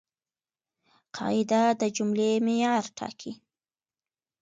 قاعده د جملې معیار ټاکي.